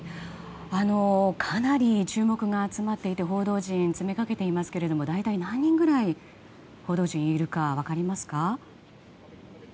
かなり注目が集まっていて報道陣が詰めかけていますが大体何人ぐらい報道陣がいるか、分かりますか？